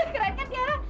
keren kan tiara